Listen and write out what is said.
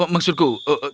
maksudku terima kasih